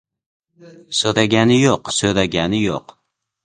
— So‘ragani yo‘q, so‘ragani yo‘q.